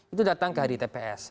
itu datang ke hari tps